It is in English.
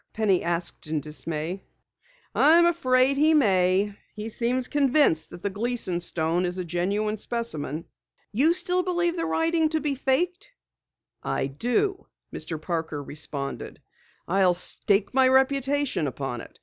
Penny asked in dismay. "I am afraid he may. He seems convinced that the Gleason stone is a genuine specimen." "You still believe the writing to be faked?" "I do," Mr. Parker responded. "I'll stake my reputation upon it!